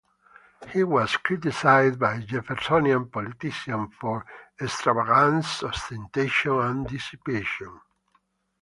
He was criticized by Jeffersonian politicians for "extravagance, ostentation and dissipation".